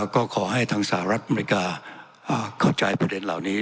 ก็ขอให้ทางสหรัฐอเมริกาเข้าใจประเด็นเหล่านี้